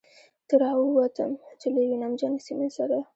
ته را ووتم، چې له یوې نمجنې سیمې سره.